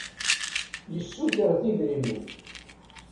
Yessuter-d idrimen.